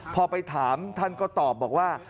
พอไปถามท่านก็ตอบบอกว่า